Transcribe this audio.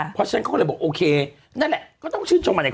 เพราะฉะนั้นเขาก็เลยบอกโอเคนั่นแหละก็ต้องชื่นชมอะไร